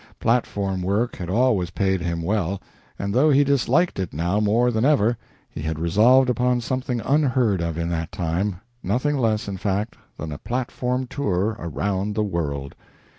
Platform work had always paid him well, and though he disliked it now more than ever, he had resolved upon something unheard of in that line nothing less, in fact, than a platform tour around the world.